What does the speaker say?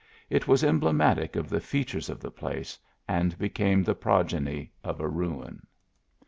It was emblematic o< the features of the place, and became the progeny of a ruin.